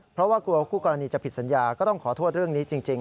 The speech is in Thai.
เพราะว่ากลัวคู่กรณีจะผิดสัญญาก็ต้องขอโทษเรื่องนี้จริง